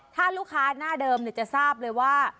ถ้าลูกค้าหน้าเดิมจะทราบเลยว่า